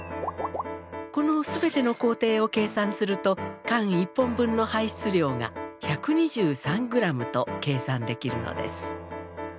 この全ての工程を計算すると缶１本分の排出量が１２３ｇと計算できるのです。